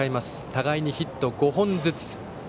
互いにヒット５本ずつ。